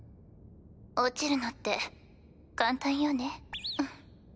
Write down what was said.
落ちるのって簡単よねフッ。